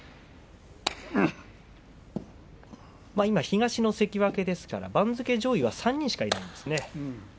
今、東の関脇ですから番付上位は３人しかいません。